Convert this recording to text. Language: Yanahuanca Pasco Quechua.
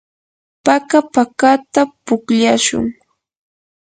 paka pakata pukllashun.